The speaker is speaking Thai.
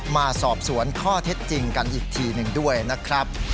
มาสอบสวนข้อเท็จจริงกันอีกทีหนึ่งด้วยนะครับ